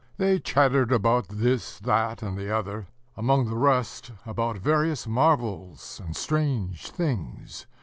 They chattered about this, that, and the other, among the rest about various marvels and strange things.